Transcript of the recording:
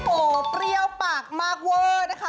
โอ้เปรี้ยวปากมากเว้อนะคะ